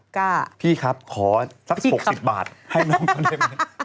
พี่สนพี่ขับขอซัก๖๐บาทให้น้องเขาได้ไหม